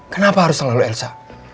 kenapa harus selalu elsa